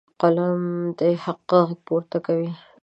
قلم د حق غږ پورته کوي.